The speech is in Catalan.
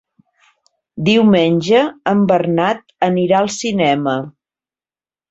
Diumenge en Bernat anirà al cinema.